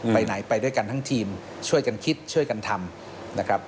ไปไหนไปด้วยกันทั้งทีมช่วยกันคิดช่วยกันทำนะครับ